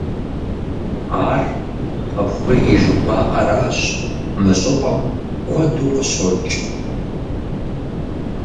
Ар пхъэхуей жыхуаӀэращ, мы щӀыпӀэм куэду къыщокӀ.